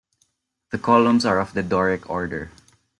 The columns are of the Doric Order.